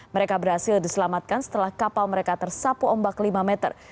mereka berhasil diselamatkan setelah kapal mereka tersapu ombak lima meter